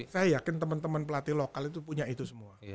saya yakin teman teman pelatih lokal itu punya itu semua